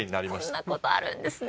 こんな事あるんですね。